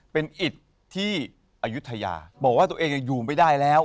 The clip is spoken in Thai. เป็นอิตที่อายุทยาบอกว่าตัวเองอยู่ไม่ได้แล้ว